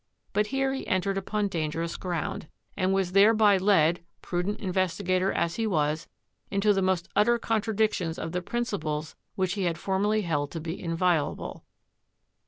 But here he entered upon dangerous ground, and was thereby led, prudent investigator as he was, into the most utter contradictions of the principles which he had formerly held to be inviolable.